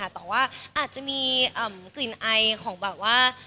แต่ว่าอาจจะมีกลิ่นไอของแบบว่า